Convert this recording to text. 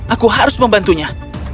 aku harus membantunya